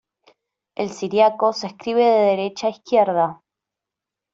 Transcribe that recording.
El siriaco se escribe de derecha a izquierda.